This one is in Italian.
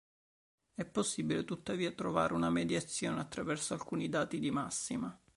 È possibile, tuttavia, trovare una mediazione attraverso alcuni dati di massima.